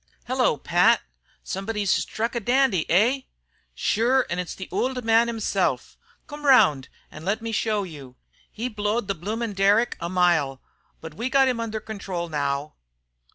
"Hello, Pat. Somebody's struck a dandy, eh?" "Shure it's the ould man hisself. Coom round, let me show you. He blowed the bloomin' derrick a mile, but we got him under control now."